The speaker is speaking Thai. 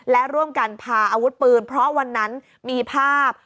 และร่วมกันพาอาวุธปืนเพราะวันนั้นมีภาพ